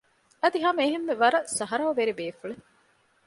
އަދި ހަމަ އެހެންމެ ވަރަށް ސަހަރޯވެރި ބޭފުޅެއް